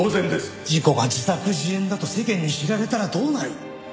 事故が自作自演だと世間に知られたらどうなる？